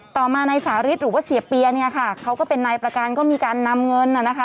ต่อมานายสาริตหรือว่าเสียเปียเนี่ยค่ะเขาก็เป็นนายประกันก็มีการนำเงินน่ะนะคะ